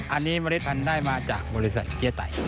อันนี้เมล็ดพันธุ์ได้มาจากบริษัทเกี้ยไต